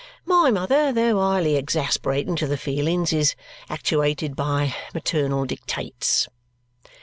My mother, though highly exasperating to the feelings, is actuated by maternal dictates."